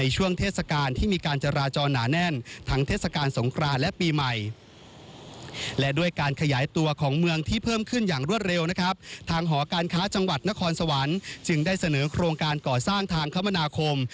จึงได้เสนอโครงการก่อสร้างทางคมนาคม